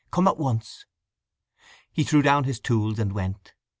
Come at once. He threw down his tools and went.